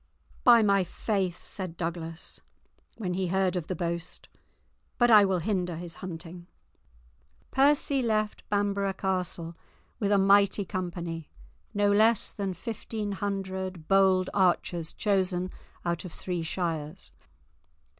"By my faith," said Douglas, when he heard of the boast, "but I will hinder his hunting." Percy left Bamborough Castle with a mighty company, no less than fifteen hundred bold archers chosen out of three shires.